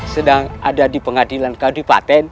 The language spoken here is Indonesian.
sedang ada di pengadilan kau di paten